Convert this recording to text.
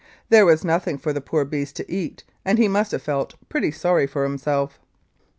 There was nothing for the poor beast to eat, and he must have felt pretty sorry for himself.